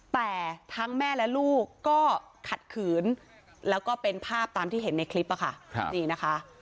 แต่ทั้งแม่และลูกก็ขัดขืนแล้วก็เป็นภาพตามที่เห็นในคลิปค่ะนี่นะคะ